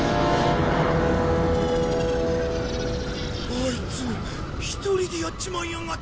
あいつ一人でやっちまいやがった。